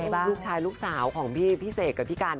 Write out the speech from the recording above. ลูกชายลูกสาวของพี่เสกกับพี่กัน